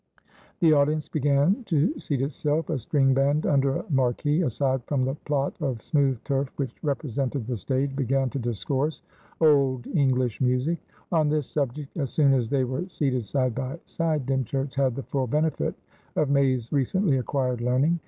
The audience began to seat itself. A string band, under a marquee aside from the plot of smooth turf which represented the stage, began to discourse old English music; on this subject, as soon as they were seated side by side, Dymchurch had the full benefit of May's recently acquired learning.